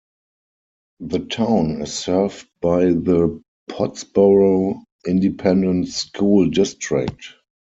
The town is served by the Pottsboro Independent School District.